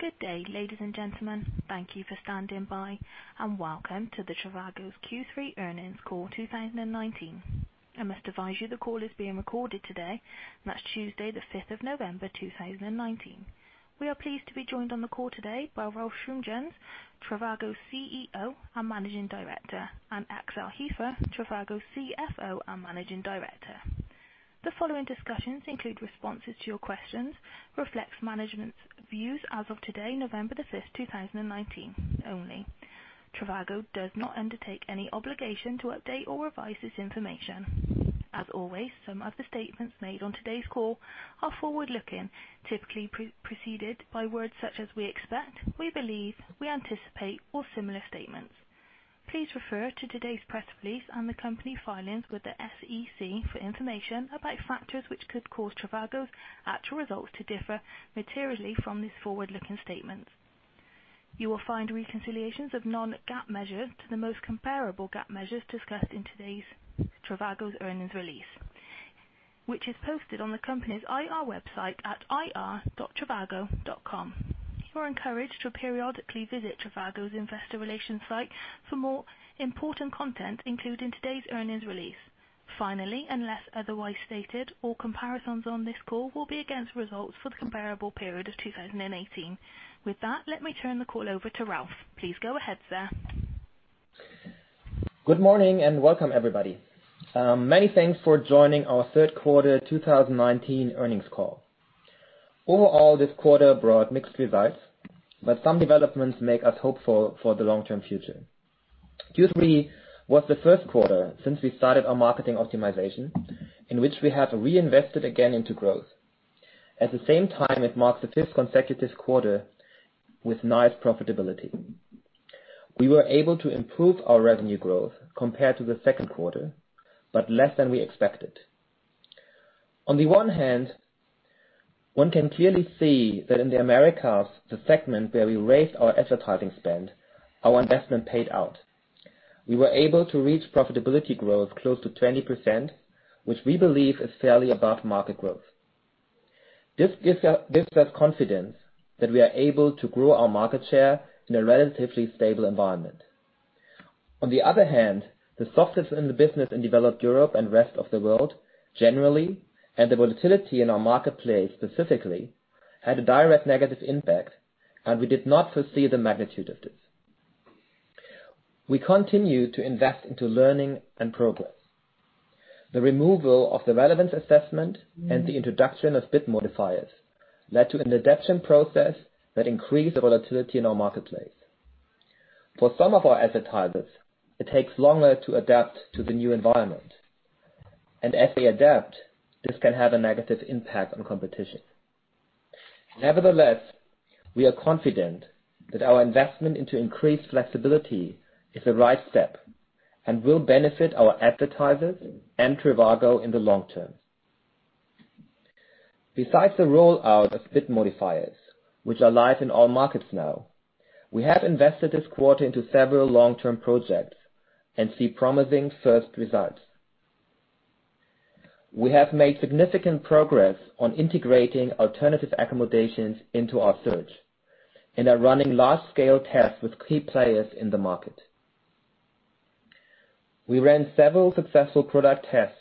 Good day, ladies and gentlemen. Thank you for standing by, and welcome to the trivago's Q3 earnings call 2019. I must advise you the call is being recorded today, that's Tuesday the 5th of November, 2019. We are pleased to be joined on the call today by Rolf Schrömgens, trivago CEO and Managing Director, and Axel Hefer, trivago CFO and Managing Director. The following discussions include responses to your questions, reflects management's views as of today, November the 5th, 2019 only. trivago does not undertake any obligation to update or revise this information. As always, some of the statements made on today's call are forward-looking, typically preceded by words such as we expect, we believe, we anticipate, or similar statements. Please refer to today's press release and the company filings with the SEC for information about factors which could cause trivago's actual results to differ materially from these forward-looking statements. You will find reconciliations of non-GAAP measures to the most comparable GAAP measures discussed in today's trivago's earnings release, which is posted on the company's IR website at ir.trivago.com. You are encouraged to periodically visit trivago's investor relation site for more important content included in today's earnings release. Finally, unless otherwise stated, all comparisons on this call will be against results for the comparable period of 2018. With that, let me turn the call over to Rolf. Please go ahead, sir. Good morning and welcome everybody. Many thanks for joining our third quarter 2019 earnings call. Overall, this quarter brought mixed results, but some developments make us hopeful for the long-term future. Q3 was the first quarter since we started our marketing optimization, in which we have reinvested again into growth. At the same time, it marks the fifth consecutive quarter with nice profitability. We were able to improve our revenue growth compared to the second quarter, but less than we expected. On the one hand, one can clearly see that in the Americas, the segment where we raised our advertising spend, our investment paid out. We were able to reach profitability growth close to 20%, which we believe is fairly above market growth. This gives us confidence that we are able to grow our market share in a relatively stable environment. On the other hand, the softness in the business in developed Europe and rest of the world generally, and the volatility in our marketplace specifically, had a direct negative impact, and we did not foresee the magnitude of this. We continue to invest into learning and progress. The removal of the relevance assessment and the introduction of bid modifiers led to an adaption process that increased the volatility in our marketplace. For some of our advertisers, it takes longer to adapt to the new environment, and as they adapt, this can have a negative impact on competition. Nevertheless, we are confident that our investment into increased flexibility is the right step and will benefit our advertisers and trivago in the long term. Besides the rollout of bid modifiers, which are live in all markets now, we have invested this quarter into several long-term projects and see promising first results. We have made significant progress on integrating alternative accommodations into our search and are running large-scale tests with key players in the market. We ran several successful product tests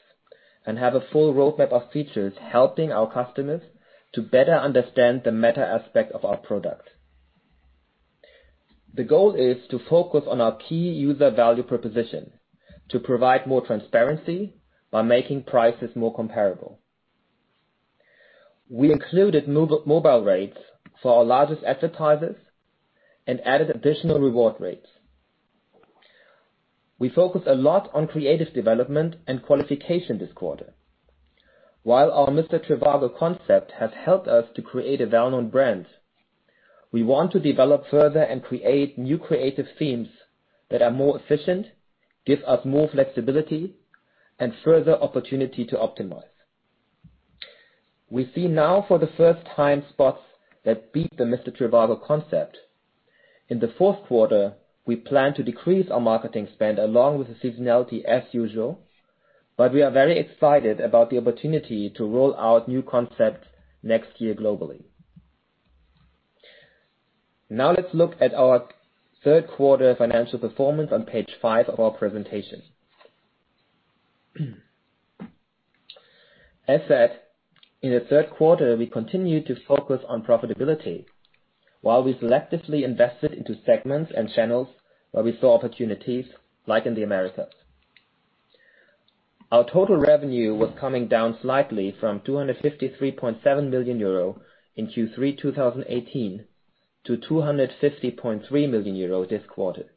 and have a full roadmap of features helping our customers to better understand the meta aspect of our product. The goal is to focus on our key user value proposition, to provide more transparency by making prices more comparable. We included mobile rates for our largest advertisers and added additional reward rates. We focused a lot on creative development and qualification this quarter. While our Mr. trivago concept has helped us to create a well-known brand, we want to develop further and create new creative themes that are more efficient, give us more flexibility, and further opportunity to optimize. We see now for the first time spots that beat the Mr. trivago concept. In the fourth quarter, we plan to decrease our marketing spend along with the seasonality as usual, but we are very excited about the opportunity to roll out new concepts next year globally. Let's look at our third quarter financial performance on page five of our presentation. As said, in the third quarter, we continued to focus on profitability while we selectively invested into segments and channels where we saw opportunities, like in the Americas. Our total revenue was coming down slightly from 253.7 million euro in Q3 2018 to 250.3 million euro this quarter.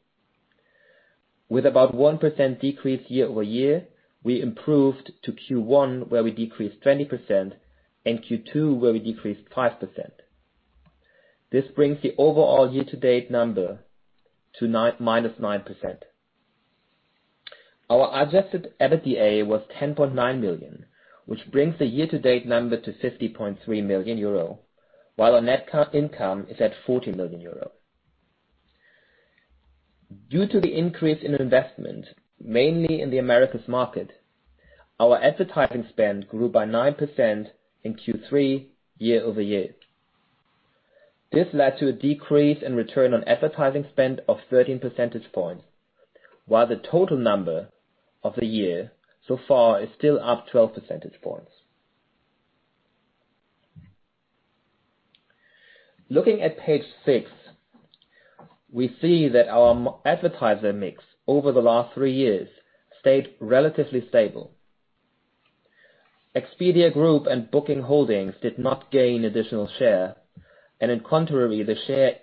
With about 1% decrease year-over-year, we improved to Q1, where we decreased 20%, and Q2, where we decreased 5%. This brings the overall year-to-date number to -9%. Our adjusted EBITDA was 10.9 million, which brings the year-to-date number to 50.3 million euro, while our net income is at 40 million euro. Due to the increase in investment, mainly in the Americas market, our advertising spend grew by 9% in Q3 year-over-year. This led to a decrease in return on advertising spend of 13 percentage points, while the total number of the year so far is still up 12 percentage points. Looking at page six, we see that our advertiser mix over the last three years stayed relatively stable. Expedia Group and Booking Holdings did not gain additional share, in contrary, the share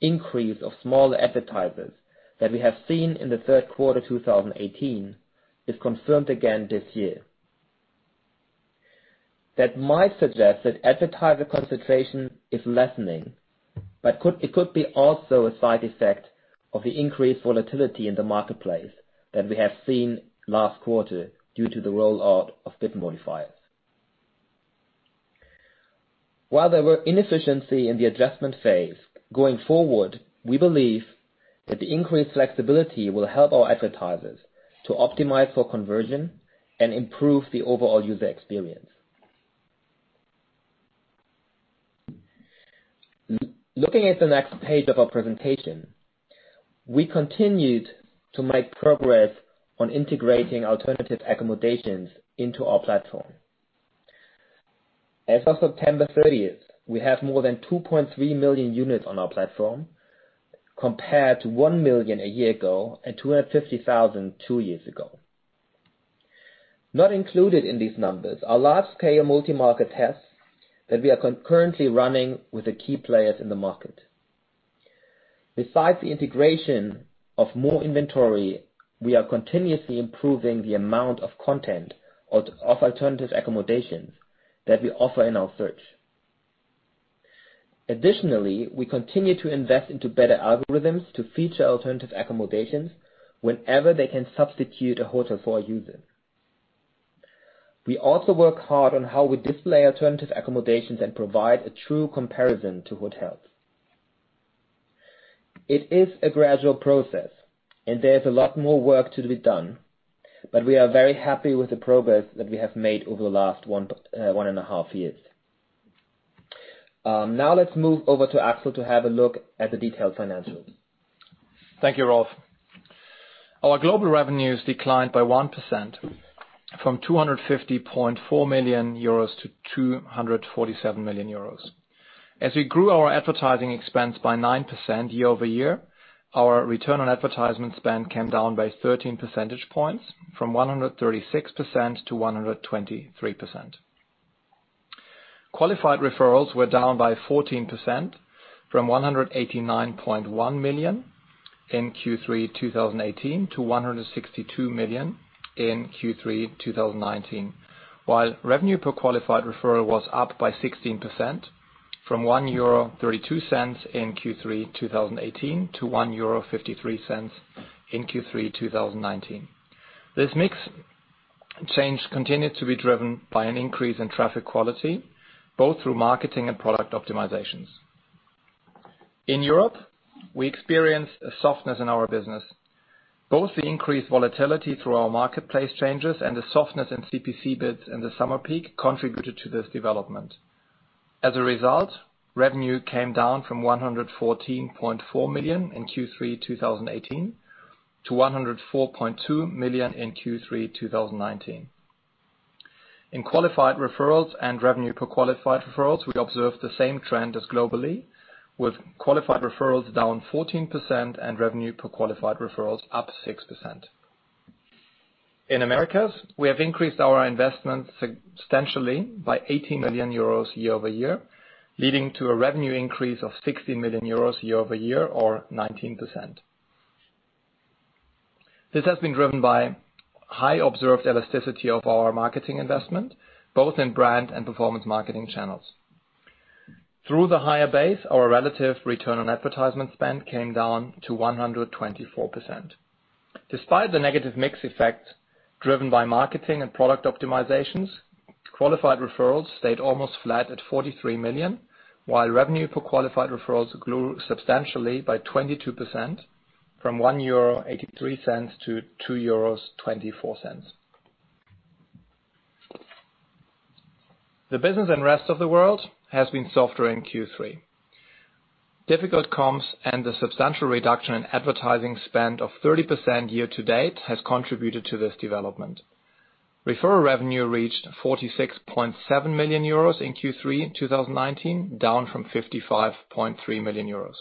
increase of smaller advertisers that we have seen in the third quarter 2018 is confirmed again this year. That might suggest that advertiser concentration is lessening, but it could be also a side effect of the increased volatility in the marketplace that we have seen last quarter due to the rollout of bid modifiers. While there were inefficiency in the adjustment phase, going forward, we believe that the increased flexibility will help our advertisers to optimize for conversion and improve the overall user experience. Looking at the next page of our presentation, we continued to make progress on integrating alternative accommodations into our platform. As of September 30th, we have more than 2.3 million units on our platform, compared to one million a year ago and 250,000 two years ago. Not included in these numbers are large-scale multi-market tests that we are concurrently running with the key players in the market. Besides the integration of more inventory, we are continuously improving the amount of content of alternative accommodations that we offer in our search. Additionally, we continue to invest into better algorithms to feature alternative accommodations whenever they can substitute a hotel for a user. We also work hard on how we display alternative accommodations and provide a true comparison to hotels. It is a gradual process, and there is a lot more work to be done, but we are very happy with the progress that we have made over the last one and a half years. Now let's move over to Axel to have a look at the detailed financials. Thank you, Rolf. Our global revenues declined by 1%, from 250.4 million euros to 247 million euros. As we grew our advertising expense by 9% year-over-year, our return on advertisement spend came down by 13 percentage points from 136% to 123%. Qualified referrals were down by 14%, from 189.1 million in Q3 2018 to 162 million in Q3 2019, while revenue per qualified referral was up by 16%, from 1.32 euro in Q3 2018 to 1.53 euro in Q3 2019. This mix change continued to be driven by an increase in traffic quality, both through marketing and product optimizations. In Europe, we experienced a softness in our business. Both the increased volatility through our marketplace changes and the softness in CPC bids in the summer peak contributed to this development. As a result, revenue came down from 114.4 million in Q3 2018 to 104.2 million in Q3 2019. In qualified referrals and revenue per qualified referrals, we observed the same trend as globally, with qualified referrals down 14% and revenue per qualified referrals up 6%. In Americas, we have increased our investment substantially by 18 million euros year-over-year, leading to a revenue increase of 16 million euros year-over-year or 19%. This has been driven by high observed elasticity of our marketing investment, both in brand and performance marketing channels. Through the higher base, our relative return on advertisement spend came down to 124%. Despite the negative mix effect driven by marketing and product optimizations, qualified referrals stayed almost flat at 43 million, while revenue per qualified referrals grew substantially by 22%, from EUR 1.83 to EUR 2.24. The business in rest of the world has been softer in Q3. Difficult comps and the substantial reduction in advertising spend of 30% year to date has contributed to this development. Referral revenue reached 46.7 million euros in Q3 2019, down from 55.3 million euros.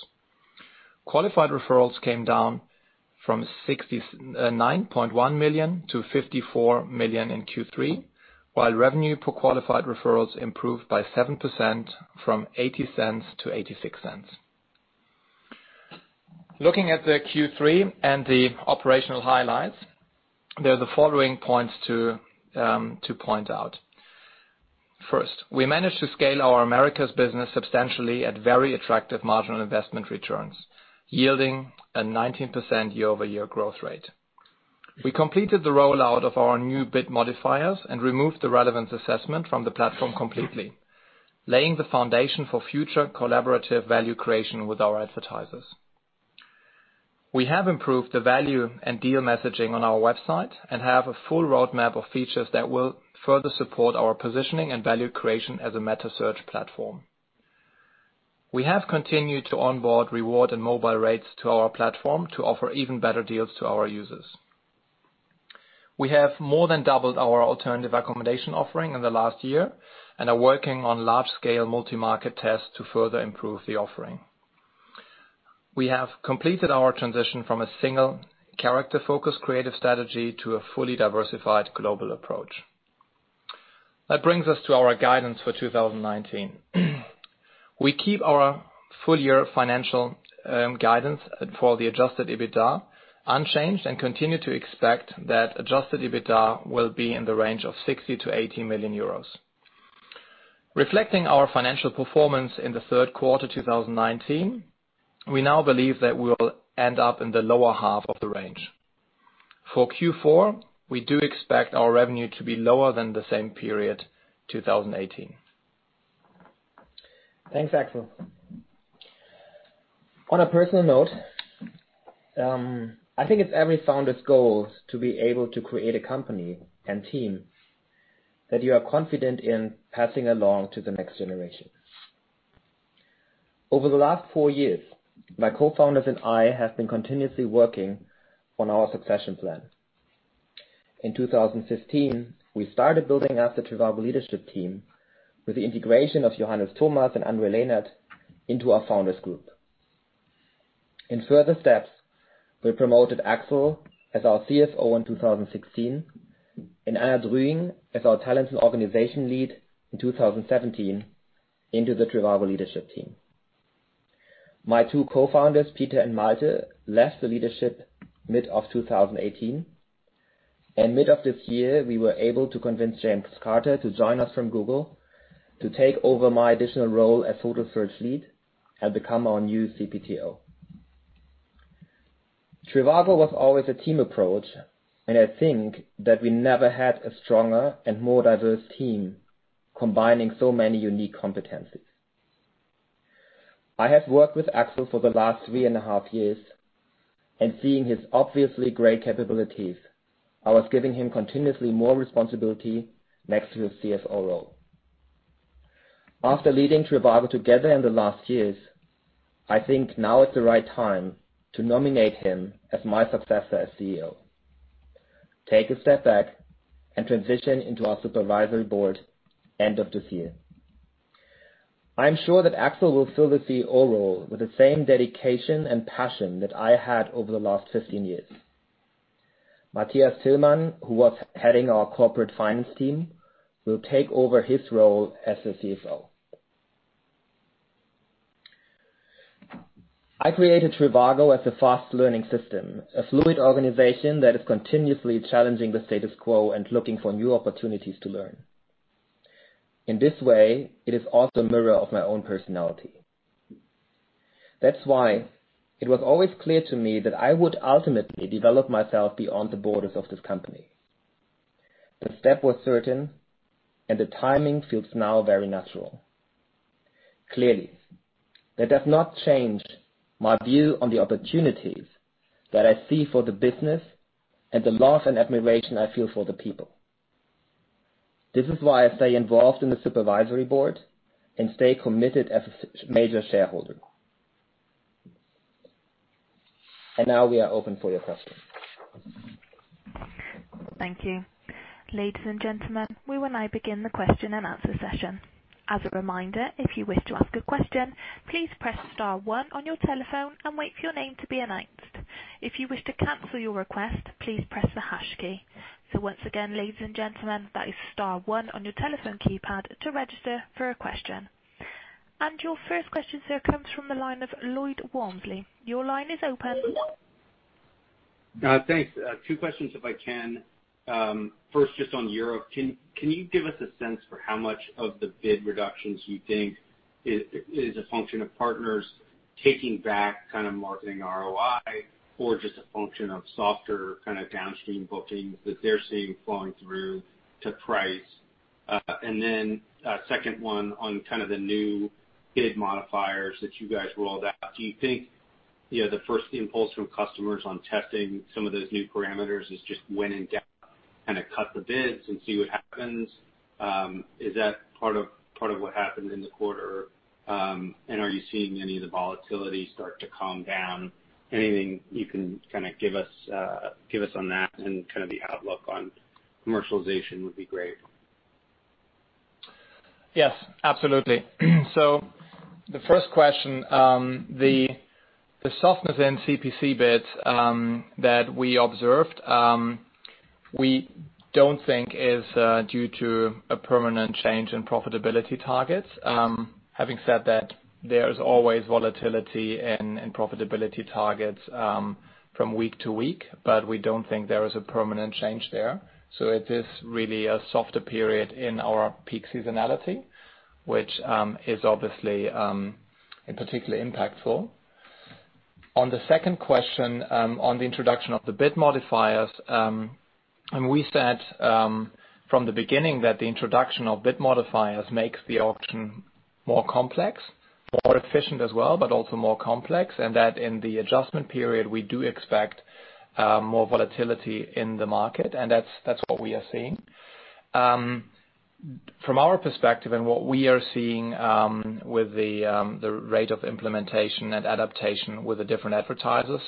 Qualified referrals came down from 69.1 million to 54 million in Q3, while revenue per qualified referrals improved by 7%, from 0.80 to 0.86. Looking at the Q3 and the operational highlights, there are the following points to point out. First, we managed to scale our Americas business substantially at very attractive marginal investment returns, yielding a 19% year-over-year growth rate. We completed the rollout of our new bid modifiers and removed the relevance assessment from the platform completely, laying the foundation for future collaborative value creation with our advertisers. We have improved the value and deal messaging on our website and have a full roadmap of features that will further support our positioning and value creation as a meta search platform. We have continued to onboard reward and mobile rates to our platform to offer even better deals to our users. We have more than doubled our alternative accommodation offering in the last year and are working on large-scale multi-market tests to further improve the offering. We have completed our transition from a single character-focused creative strategy to a fully diversified global approach. That brings us to our guidance for 2019. We keep our full-year financial guidance for the adjusted EBITDA unchanged and continue to expect that adjusted EBITDA will be in the range of 60 million-80 million euros. Reflecting our financial performance in the third quarter 2019, we now believe that we will end up in the lower half of the range. For Q4, we do expect our revenue to be lower than the same period 2018. Thanks, Axel. On a personal note, I think it's every founder's goal to be able to create a company and team that you are confident in passing along to the next generation. Over the last four years, my co-founders and I have been continuously working on our succession plan. In 2015, we started building out the trivago leadership team with the integration of Johannes Thomas and Andrej Lehnert into our founders group. In further steps, we promoted Axel as our CSO in 2016, and Anna Druyen as our talent and organization lead in 2017 into the trivago leadership team. My two co-founders, Peter and Malte, left the leadership mid of 2018. Mid of this year, we were able to convince James Carter to join us from Google to take over my additional role as product search lead and become our new CPTO. trivago was always a team approach. I think that we never had a stronger and more diverse team combining so many unique competencies. I have worked with Axel for the last three and a half years. Seeing his obviously great capabilities, I was giving him continuously more responsibility next to his CSO role. After leading trivago together in the last years, I think now is the right time to nominate him as my successor as CEO, take a step back, and transition into our supervisory board end of this year. I am sure that Axel will fill the CEO role with the same dedication and passion that I had over the last 15 years. Matthias Tillmann, who was heading our corporate finance team, will take over his role as the CFO. I created trivago as a fast learning system, a fluid organization that is continuously challenging the status quo and looking for new opportunities to learn. In this way, it is also a mirror of my own personality. That's why it was always clear to me that I would ultimately develop myself beyond the borders of this company. The step was certain, and the timing feels now very natural. Clearly, that does not change my view on the opportunities that I see for the business and the love and admiration I feel for the people. This is why I stay involved in the supervisory board and stay committed as a major shareholder. Now we are open for your questions. Thank you. Ladies and gentlemen, we will now begin the question and answer session. As a reminder, if you wish to ask a question, please press star one on your telephone and wait for your name to be announced. If you wish to cancel your request, please press the hash key. Once again, ladies and gentlemen, that is star one on your telephone keypad to register for a question. Your first question, sir, comes from the line of Lloyd Walmsley. Your line is open. Thanks. Two questions if I can. First, just on Europe, can you give us a sense for how much of the bid reductions you think is a function of partners taking back marketing ROI, or just a function of softer downstream bookings that they're seeing flowing through to price? Then a second one on the new bid modifiers that you guys rolled out. Do you think the first impulse from customers on testing some of those new parameters is just winding down, cut the bids and see what happens? Is that part of what happened in the quarter? Are you seeing any of the volatility start to calm down? Anything you can give us on that and the outlook on commercialization would be great. Yes, absolutely. The first question, the softness in CPC bids that we observed, we don't think is due to a permanent change in profitability targets. Having said that, there's always volatility and profitability targets from week to week, but we don't think there is a permanent change there. It is really a softer period in our peak seasonality, which is obviously particularly impactful. On the second question, on the introduction of the bid modifiers, we said from the beginning that the introduction of bid modifiers makes the auction more complex, more efficient as well, but also more complex, and that in the adjustment period, we do expect more volatility in the market, and that's what we are seeing. From our perspective and what we are seeing with the rate of implementation and adaptation with the different advertisers,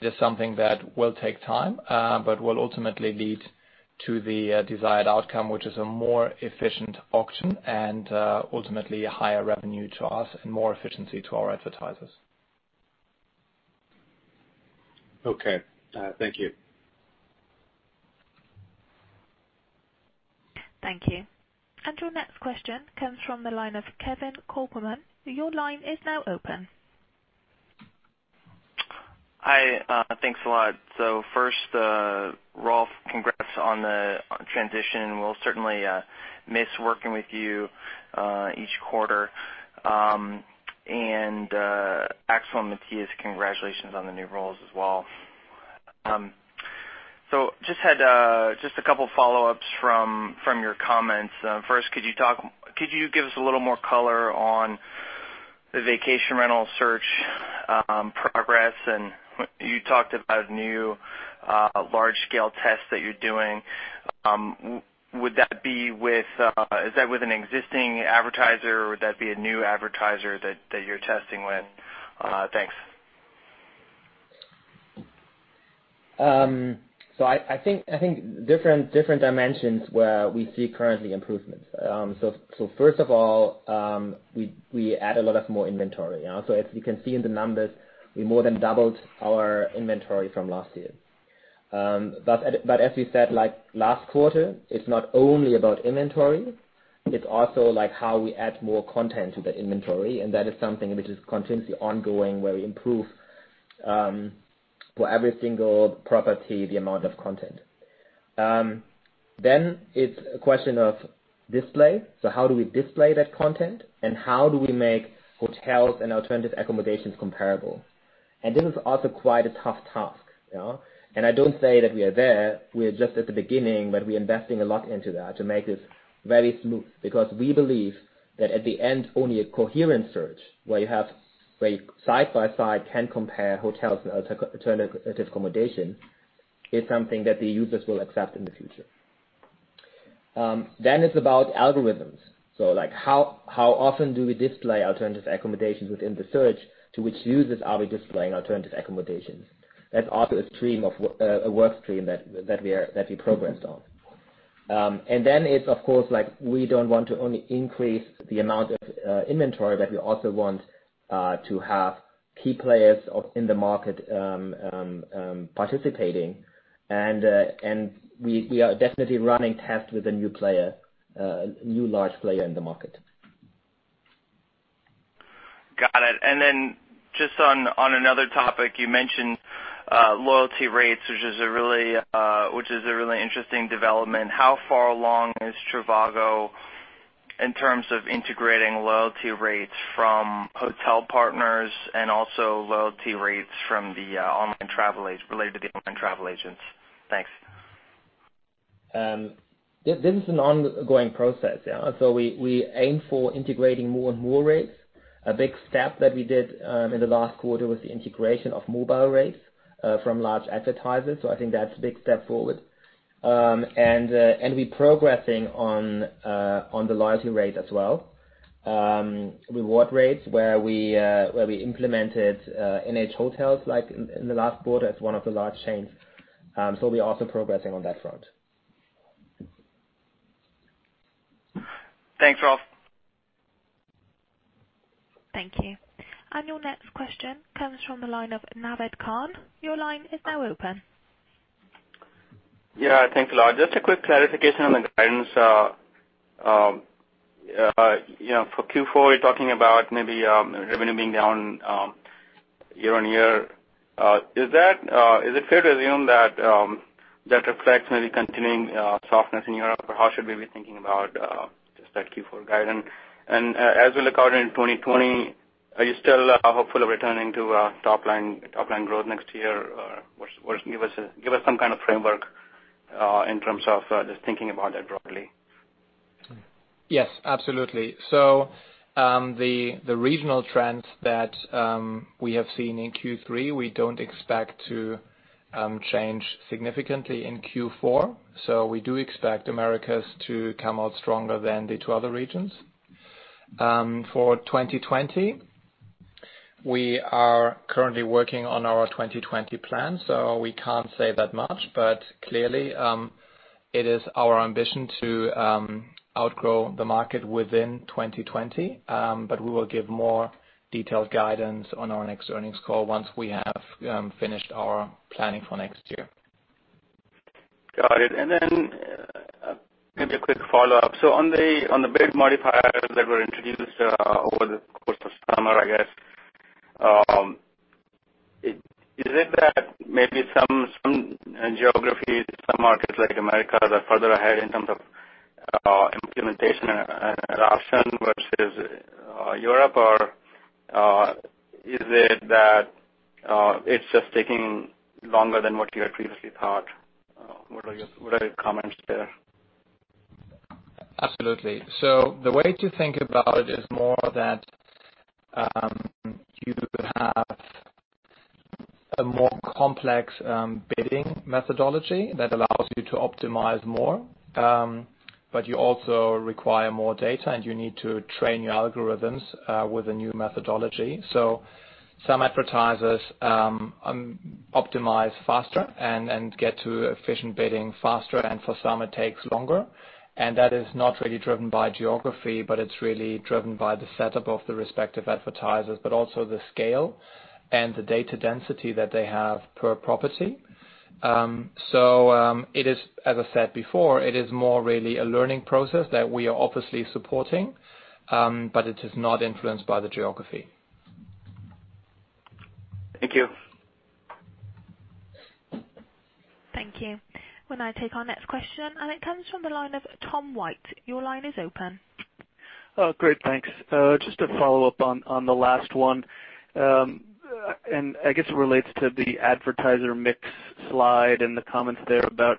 it is something that will take time, but will ultimately lead to the desired outcome, which is a more efficient auction and, ultimately, a higher revenue to us and more efficiency to our advertisers. Okay. Thank you. Thank you. Your next question comes from the line of Kevin Kopelman. Your line is now open. Hi. Thanks a lot. First, Rolf, congrats on the transition. We'll certainly miss working with you each quarter. Axel and Matthias, congratulations on the new roles as well. Just had a couple follow-ups from your comments. Could you give us a little more color on the vacation rental search progress? You talked about new large-scale tests that you're doing. Is that with an existing advertiser, or would that be a new advertiser that you're testing with? Thanks. I think different dimensions where we see currently improvements. First of all, we add a lot more inventory. If you can see in the numbers, we more than doubled our inventory from last year. As we said, like last quarter, it's not only about inventory, it's also how we add more content to that inventory, and that is something which is continuously ongoing, where we improve, for every single property, the amount of content. It's a question of display. How do we display that content, and how do we make hotels and alternative accommodations comparable? This is also quite a tough task. I don't say that we are there. We are just at the beginning, but we are investing a lot into that to make this very smooth because we believe that at the end, only a coherent search where you side by side can compare hotels and alternative accommodation is something that the users will accept in the future. It's about algorithms. Like how often do we display alternative accommodations within the search? To which users are we displaying alternative accommodations? That's also a work stream that we progress on. It's, of course, we don't want to only increase the amount of inventory, but we also want to have key players in the market participating. We are definitely running tests with a new large player in the market. Got it. Just on another topic, you mentioned loyalty rates, which is a really interesting development. How far along is trivago in terms of integrating loyalty rates from hotel partners and also loyalty rates related to the online travel agents? Thanks. This is an ongoing process. We aim for integrating more and more rates. A big step that we did in the last quarter was the integration of mobile rates from large advertisers. I think that's a big step forward. We progressing on the loyalty rate as well. Reward rates where we implemented NH Hotels in the last quarter. It's one of the large chains. We are also progressing on that front. Thanks, Rolf. Thank you. Your next question comes from the line of Naved Khan. Your line is now open. Yeah, thanks a lot. Just a quick clarification on the guidance. For Q4, you're talking about maybe revenue being down year-over-year. Is it fair to assume that reflects maybe continuing softness in Europe? How should we be thinking about just that Q4 guidance? As we look out into 2020, are you still hopeful of returning to top line growth next year? Give us some kind of framework in terms of just thinking about it broadly. Yes, absolutely. The regional trends that we have seen in Q3, we don't expect to change significantly in Q4. We do expect Americas to come out stronger than the two other regions. For 2020, we are currently working on our 2020 plan, we can't say that much. Clearly, it is our ambition to outgrow the market within 2020. We will give more detailed guidance on our next earnings call once we have finished our planning for next year. Got it. Maybe a quick follow-up. On the bid modifiers that were introduced over the course of summer, I guess, is it that maybe some geographies, some markets like the U.S., that are further ahead in terms of implementation at Austin versus Europe, or is it that it is just taking longer than what you had previously thought? What are your comments there? Absolutely. The way to think about it is more that you have a more complex bidding methodology that allows you to optimize more, but you also require more data, and you need to train your algorithms with a new methodology. Some advertisers optimize faster and get to efficient bidding faster, and for some it takes longer. That is not really driven by geography, but it's really driven by the setup of the respective advertisers, but also the scale and the data density that they have per property. It is, as I said before, it is more really a learning process that we are obviously supporting, but it is not influenced by the geography. Thank you. Thank you. We'll now take our next question, and it comes from the line of Tom White. Your line is open. Oh, great, thanks. Just to follow up on the last one. I guess it relates to the advertiser mix slide and the comments there about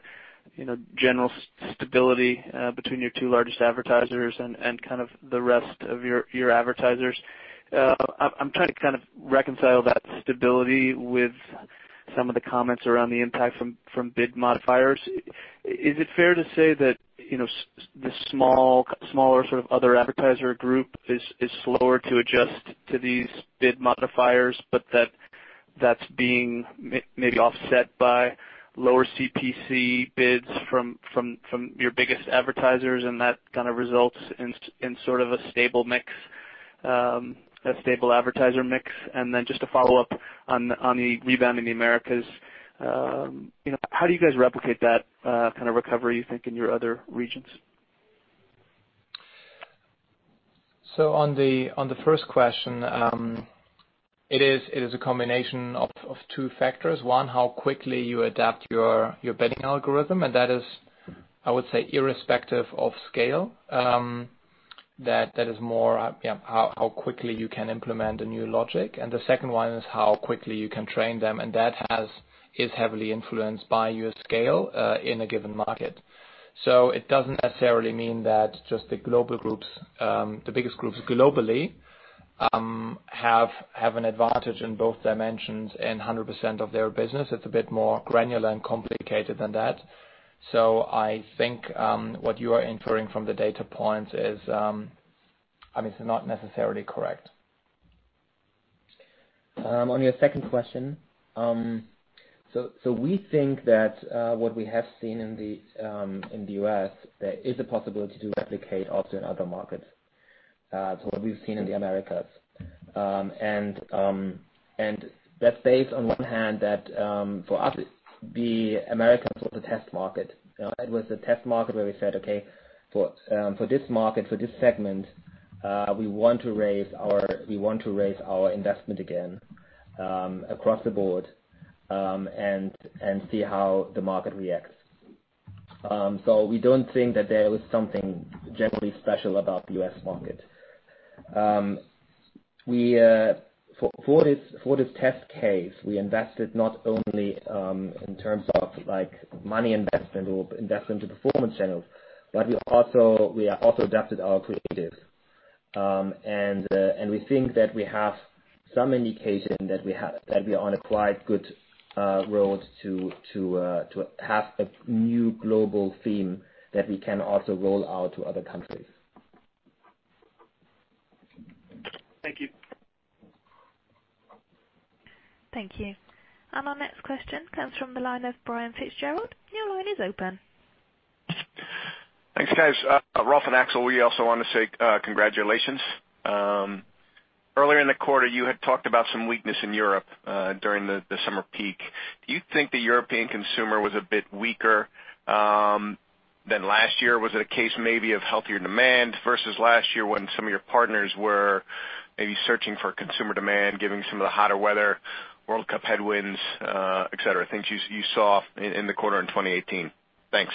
general stability between your two largest advertisers and kind of the rest of your advertisers. I'm trying to kind of reconcile that stability with some of the comments around the impact from bid modifiers. Is it fair to say that the smaller sort of other advertiser group is slower to adjust to these bid modifiers, but that's being maybe offset by lower CPC bids from your biggest advertisers and that kind of results in sort of a stable mix, a stable advertiser mix? Just to follow up on the rebound in the Americas, how do you guys replicate that kind of recovery, you think, in your other regions? On the first question, it is a combination of two factors. One, how quickly you adapt your bidding algorithm, and that is, I would say, irrespective of scale. That is more how quickly you can implement a new logic. The second one is how quickly you can train them, and that is heavily influenced by your scale in a given market. It doesn't necessarily mean that just the global groups, the biggest groups globally, have an advantage in both dimensions in 100% of their business. It's a bit more granular and complicated than that. I think what you are inferring from the data points is not necessarily correct. On your second question, we think that what we have seen in the U.S., there is a possibility to replicate also in other markets. What we've seen in the Americas. That's based on one hand that for us, the Americas was a test market. It was a test market where we said, "Okay, for this market, for this segment, we want to raise our investment again across the board and see how the market reacts." We don't think that there is something generally special about the U.S. market. For this test case, we invested not only in terms of money investment or investment to performance channels, but we also adapted our creative. We think that we have some indication that we are on a quite good road to have a new global theme that we can also roll out to other countries. Thank you. Thank you. Our next question comes from the line of Brian Fitzgerald. Your line is open. Thanks, guys. Rolf and Axel, we also want to say congratulations. Earlier in the quarter, you had talked about some weakness in Europe during the summer peak. Do you think the European consumer was a bit weaker than last year? Was it a case maybe of healthier demand versus last year when some of your partners were maybe searching for consumer demand, given some of the hotter weather, World Cup headwinds, et cetera, things you saw in the quarter in 2018? Thanks.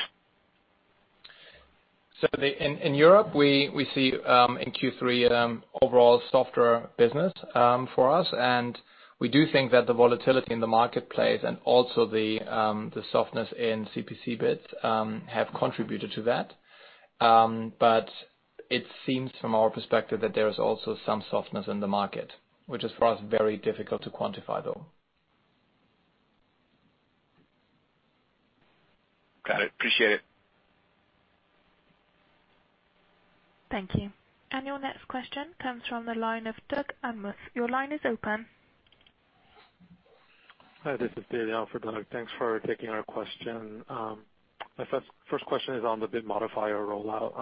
In Europe, we see in Q3 overall softer business for us. We do think that the volatility in the marketplace and also the softness in CPC bids have contributed to that. It seems from our perspective that there is also some softness in the market, which is for us very difficult to quantify, though. Got it. Appreciate it. Thank you. Your next question comes from the line of Doug Anmuth. Your line is open. Hi, this is Daniel for Doug. Thanks for taking our question. My first question is on the bid modifier rollout.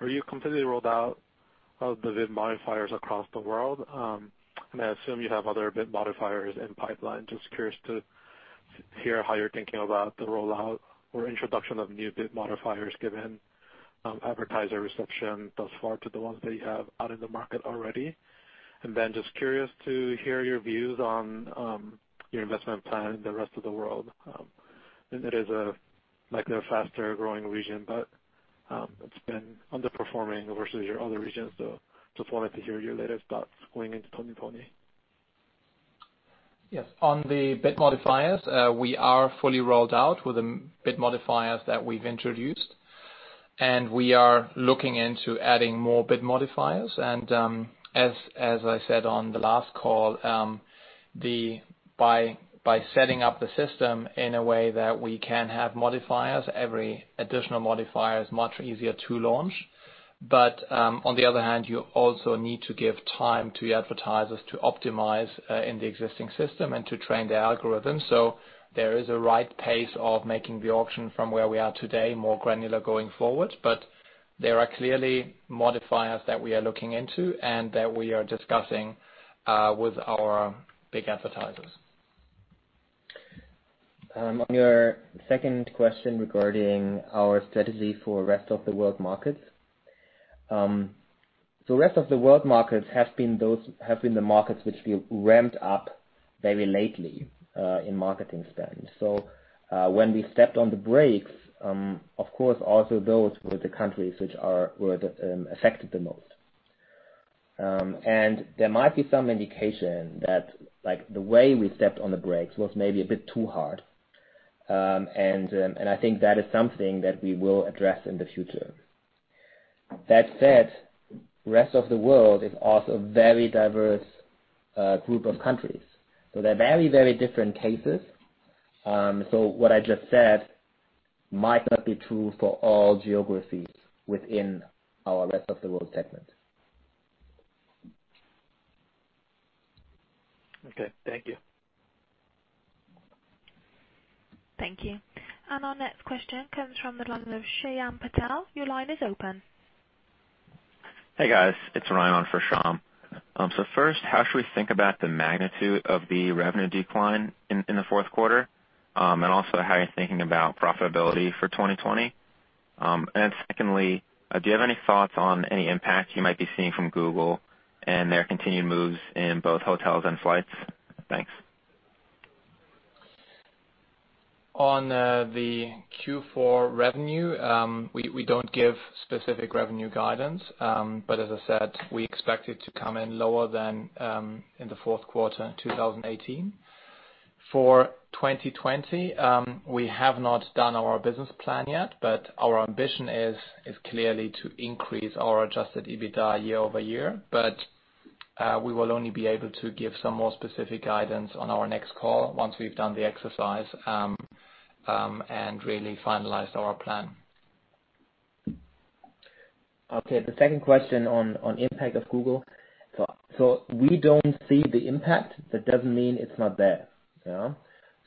Are you completely rolled out of the bid modifiers across the world? I assume you have other bid modifiers in pipeline. Just curious to hear how you're thinking about the rollout or introduction of new bid modifiers given advertiser reception thus far to the ones that you have out in the market already. Ben, just curious to hear your views on your investment plan in the rest of the world. It is likely a faster-growing region, but it's been underperforming versus your other regions. Just wanted to hear your latest thoughts going into 2020. Yes. On the bid modifiers, we are fully rolled out with the bid modifiers that we've introduced. We are looking into adding more bid modifiers. As I said on the last call, by setting up the system in a way that we can have modifiers, every additional modifier is much easier to launch. On the other hand, you also need to give time to the advertisers to optimize in the existing system and to train the algorithm. There is a right pace of making the auction from where we are today, more granular going forward. There are clearly modifiers that we are looking into and that we are discussing with our big advertisers. Your second question regarding our strategy for Rest of the World markets. Rest of the World markets have been the markets which we ramped up very lately, in marketing spend. When we stepped on the brakes, of course, also those were the countries which were affected the most. There might be some indication that the way we stepped on the brakes was maybe a bit too hard. I think that is something that we will address in the future. That said, Rest of the World is also a very diverse group of countries. They're very different cases. What I just said might not be true for all geographies within our Rest of the World segment. Okay. Thank you. Thank you. Our next question comes from the line of Shyam Patil. Your line is open. Hey, guys. It's Ryan on for Shyam. First, how should we think about the magnitude of the revenue decline in the fourth quarter, and also how you're thinking about profitability for 2020? Secondly, do you have any thoughts on any impact you might be seeing from Google and their continued moves in both hotels and flights? Thanks. On the Q4 revenue, we don't give specific revenue guidance. As I said, we expect it to come in lower than in the fourth quarter in 2018. For 2020, we have not done our business plan yet, our ambition is clearly to increase our adjusted EBITDA year-over-year. We will only be able to give some more specific guidance on our next call once we've done the exercise, and really finalized our plan. The second question on impact of Google. We don't see the impact. That doesn't mean it's not there.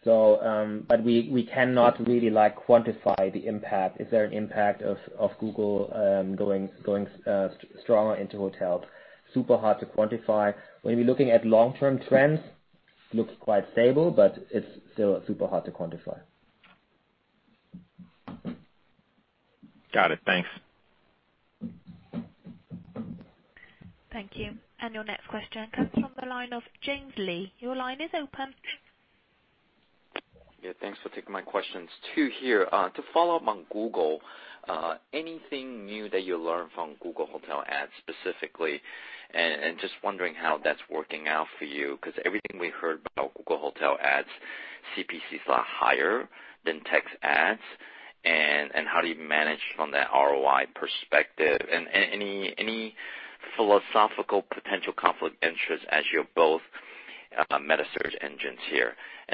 We cannot really quantify the impact. Is there an impact of Google going stronger into hotels? Super hard to quantify. When we are looking at long-term trends, looks quite stable. It's still super hard to quantify. Got it. Thanks. Thank you. Your next question comes from the line of James Lee. Your line is open. Yeah. Thanks for taking my questions too here. To follow up on Google, anything new that you learned from Google Hotel Ads specifically, just wondering how that's working out for you, because everything we've heard about Google Hotel Ads, CPCs are higher than text ads. How do you manage from that ROI perspective? Any philosophical potential conflict interest as you're both metasearch engines here?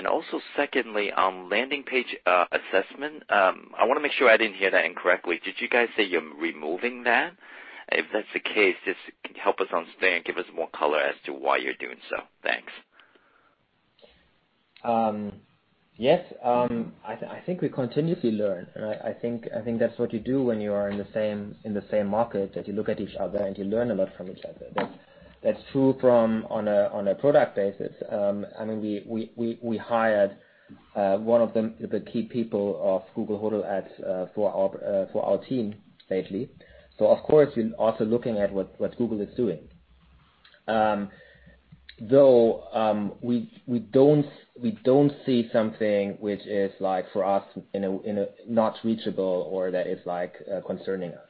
Also secondly, on landing page assessment, I want to make sure I didn't hear that incorrectly. Did you guys say you're removing that? If that's the case, just help us understand, give us more color as to why you're doing so. Thanks. Yes. I think we continuously learn, and I think that's what you do when you are in the same market, that you look at each other, and you learn a lot from each other. That's true on a product basis. We hired one of the key people of Google Hotel Ads for our team lately. Of course, we're also looking at what Google is doing. Though, we don't see something which is for us not reachable or that is concerning us.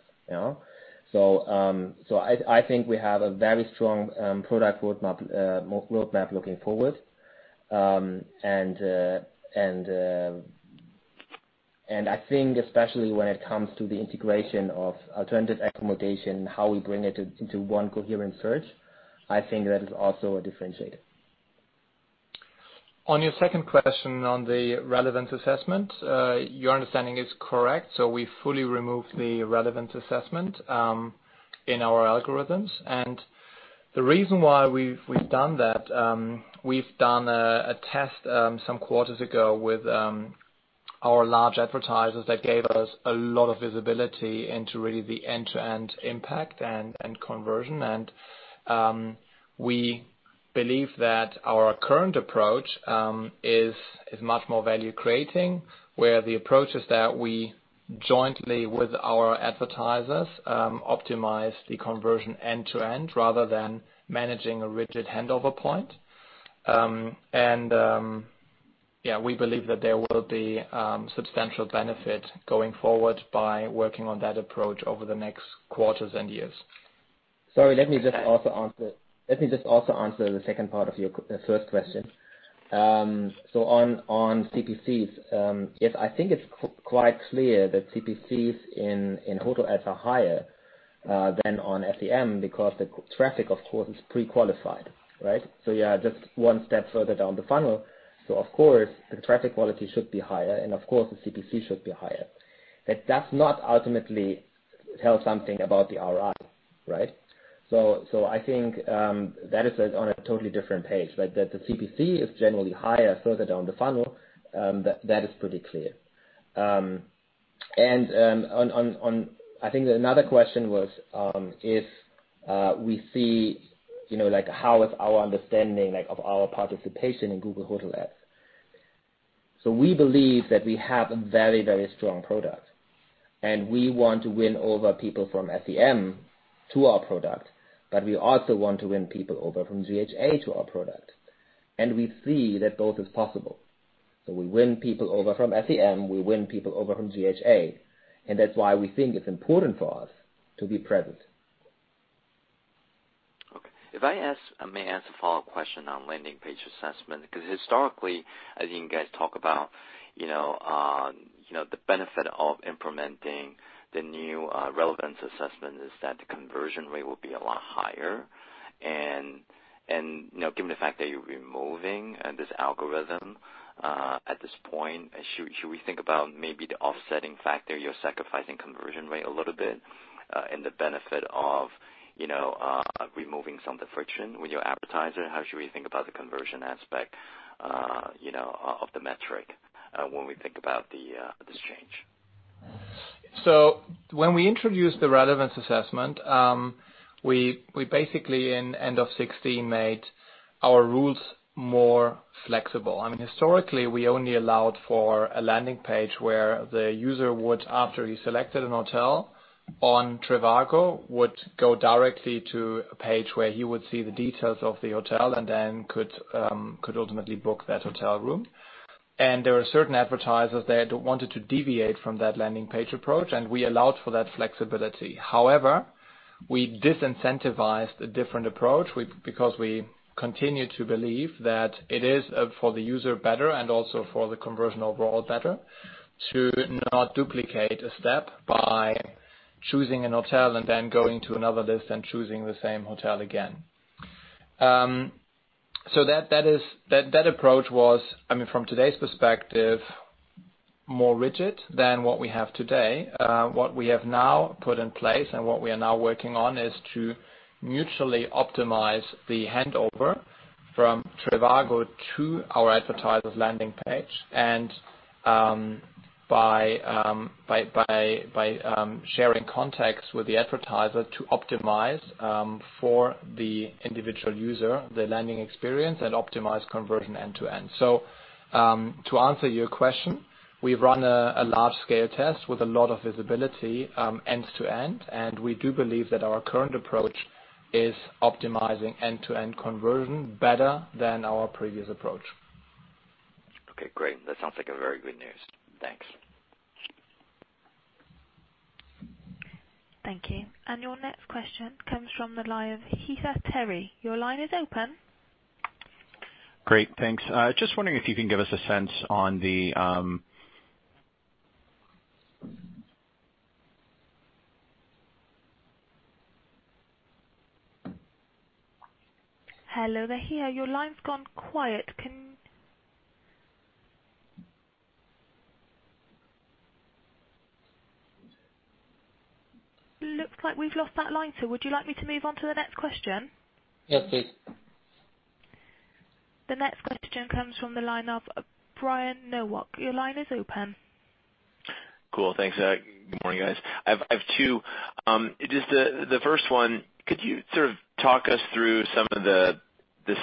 I think we have a very strong product roadmap looking forward. I think especially when it comes to the integration of alternative accommodation, how we bring it into one coherent search, I think that is also a differentiator. On your second question on the relevance assessment, your understanding is correct. We fully removed the relevance assessment in our algorithms. The reason why we've done that, we've done a test some quarters ago with our large advertisers that gave us a lot of visibility into really the end-to-end impact and conversion. We believe that our current approach is much more value creating, where the approach is that we jointly, with our advertisers, optimize the conversion end to end rather than managing a rigid handover point. Yeah, we believe that there will be substantial benefit going forward by working on that approach over the next quarters and years. Sorry, let me just also answer the second part of your first question. On CPCs, yes, I think it's quite clear that CPCs in hotel ads are higher than on SEM because the traffic, of course, is pre-qualified. Just one step further down the funnel. Of course, the traffic quality should be higher, and of course, the CPC should be higher. That does not ultimately tell something about the ROI. I think that is on a totally different page. That the CPC is generally higher further down the funnel, that is pretty clear. I think that another question was if we see how is our understanding of our participation in Google Hotel Ads. We believe that we have a very strong product, and we want to win over people from SEM to our product, but we also want to win people over from GHA to our product. We see that both is possible. We win people over from SEM, we win people over from GHA, and that's why we think it's important for us to be present. Okay. If I may ask a follow-up question on landing page assessment, because historically, as you guys talk about the benefit of implementing the new relevance assessment is that the conversion rate will be a lot higher. Given the fact that you're removing this algorithm at this point, should we think about maybe the offsetting factor? You're sacrificing conversion rate a little bit in the benefit of removing some of the friction with your advertiser. How should we think about the conversion aspect of the metric when we think about this change? When we introduced the relevance assessment, we basically in end of 2016 made our rules more flexible. Historically, we only allowed for a landing page where the user would, after he selected a hotel on trivago, would go directly to a page where he would see the details of the hotel and then could ultimately book that hotel room. There were certain advertisers that wanted to deviate from that landing page approach, and we allowed for that flexibility. However, we disincentivized a different approach because we continue to believe that it is for the user better and also for the conversion overall better to not duplicate a step by choosing a hotel and then going to another list and choosing the same hotel again. That approach was, from today's perspective, more rigid than what we have today. What we have now put in place and what we are now working on is to mutually optimize the handover from trivago to our advertiser's landing page, and by sharing context with the advertiser to optimize for the individual user, the landing experience, and optimize conversion end to end. To answer your question, we've run a large scale test with a lot of visibility end to end, and we do believe that our current approach is optimizing end-to-end conversion better than our previous approach. Okay, great. That sounds like a very good news. Thanks. Thank you. Your next question comes from the line of Heath Terry. Your line is open. Great. Thanks. Just wondering if you can give us a sense on the. Hello, Heath. Your line's gone quiet. Looks like we've lost that line. Would you like me to move on to the next question? Yeah, please. The next question comes from the line of Brian Nowak. Your line is open. Cool. Thanks. Good morning, guys. I have two. Just the first one, could you sort of talk us through some of the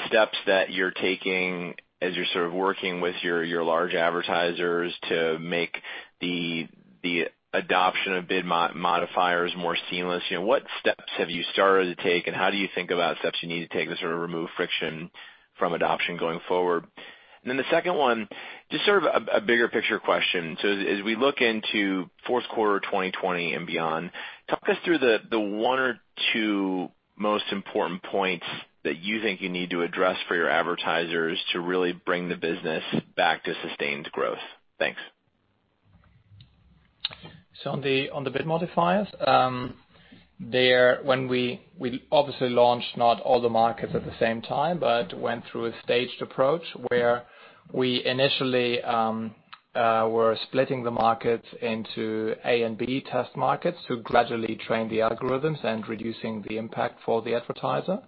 steps that you're taking as you're sort of working with your large advertisers to make the adoption of bid modifiers more seamless? What steps have you started to take, and how do you think about steps you need to take to sort of remove friction from adoption going forward? The second one, just sort of a bigger picture question. As we look into fourth quarter 2020 and beyond, talk us through the one or two most important points that you think you need to address for your advertisers to really bring the business back to sustained growth. Thanks. On the bid modifiers, we obviously launched not all the markets at the same time, but went through a staged approach where we initially were splitting the markets into A and B test markets to gradually train the algorithms and reducing the impact for the advertiser.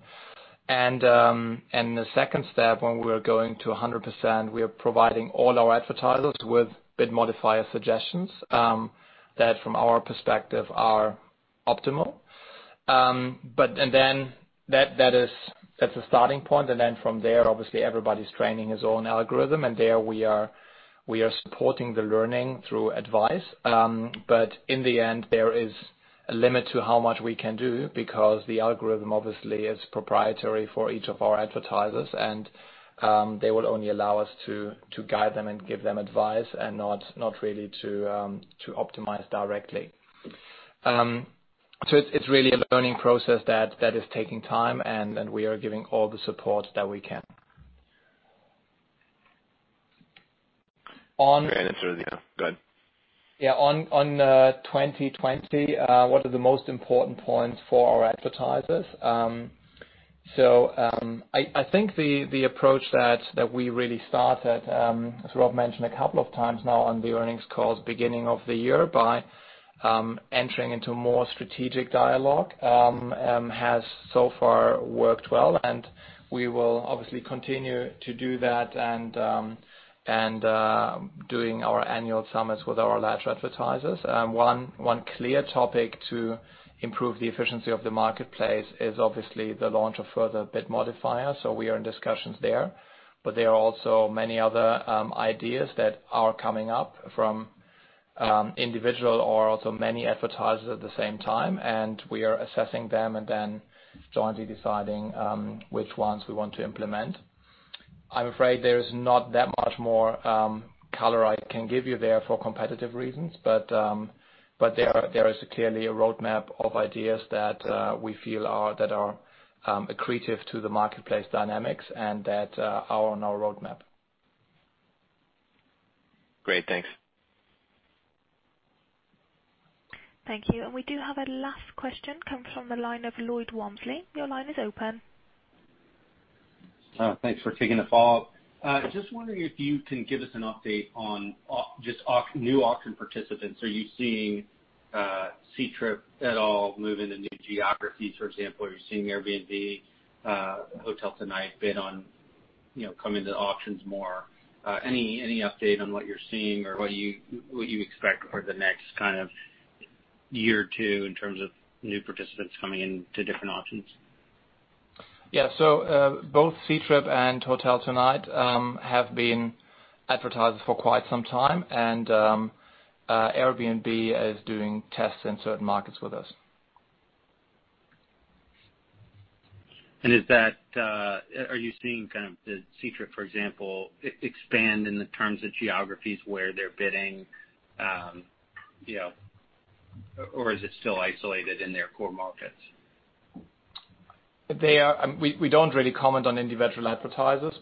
The second step, when we are going to 100%, we are providing all our advertisers with bid modifier suggestions that from our perspective are optimal. That's a starting point, and then from there, obviously, everybody's training his own algorithm, and there we are supporting the learning through advice. In the end, there is a limit to how much we can do, because the algorithm obviously is proprietary for each of our advertisers, and they will only allow us to guide them and give them advice and not really to optimize directly. It's really a learning process that is taking time, and we are giving all the support that we can. On- Great answer. Yeah, go ahead. Yeah, on 2020, what are the most important points for our advertisers? I think the approach that we really started, as Rolf mentioned a couple of times now on the earnings calls beginning of the year, by entering into more strategic dialogue, has so far worked well. We will obviously continue to do that and doing our annual summits with our large advertisers. One clear topic to improve the efficiency of the marketplace is obviously the launch of further bid modifiers. We are in discussions there. There are also many other ideas that are coming up from individual or also many advertisers at the same time, and we are assessing them and then jointly deciding which ones we want to implement. I'm afraid there is not that much more color I can give you there for competitive reasons. Yeah there is clearly a roadmap of ideas. Yeah we feel that are accretive to the marketplace dynamics and that are on our roadmap. Great. Thanks. Thank you. We do have a last question coming from the line of Lloyd Walmsley. Your line is open. Thanks for taking the call. Just wondering if you can give us an update on just new auction participants. Are you seeing Ctrip at all move into new geographies, for example? Are you seeing Airbnb, HotelTonight bid on, come into auctions more? Any update on what you're seeing or what you expect over the next year or two in terms of new participants coming in to different auctions? Yeah. Both Ctrip and Hotel Tonight have been advertisers for quite some time. Airbnb is doing tests in certain markets with us. Are you seeing kind of the Ctrip, for example, expand in the terms of geographies where they're bidding, or is it still isolated in their core markets? We don't really comment on individual advertisers,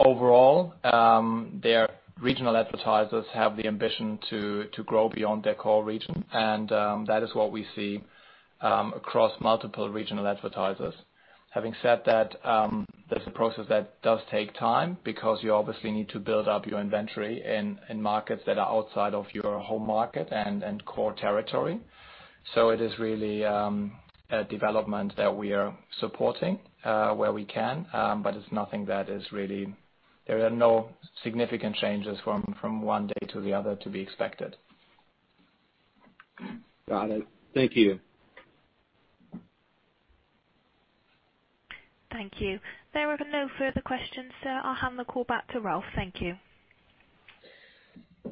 overall, their regional advertisers have the ambition to grow beyond their core region. That is what we see across multiple regional advertisers. Having said that's a process that does take time because you obviously need to build up your inventory in markets that are outside of your home market and core territory. It is really a development that we are supporting where we can. There are no significant changes from one day to the other to be expected. Got it. Thank you. Thank you. There are no further questions. I'll hand the call back to Rolf. Thank you.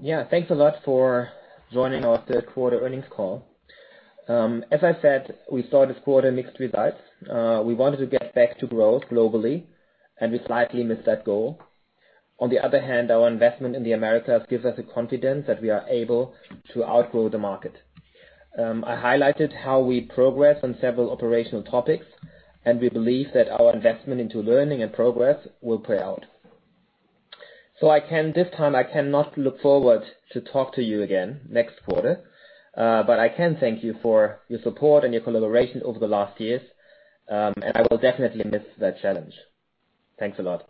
Yeah. Thanks a lot for joining our third quarter earnings call. As I said, we saw this quarter mixed results. We wanted to get back to growth globally, and we slightly missed that goal. On the other hand, our investment in the Americas gives us the confidence that we are able to outgrow the market. I highlighted how we progress on several operational topics, and we believe that our investment into learning and progress will pay out. At this time, I cannot look forward to talk to you again next quarter. I can thank you for your support and your collaboration over the last years, and I will definitely miss that challenge. Thanks a lot.